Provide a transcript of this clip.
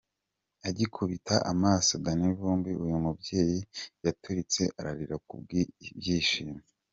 Agikubita amaso Danny Vumbi, uyu mubyeyi yaturitse ararira ku bw'ibyishimo.